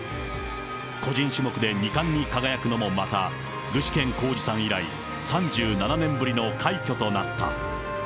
個人種目で２冠に輝くのもまた、具志堅こうじさん以来３７年ぶりの快挙となった。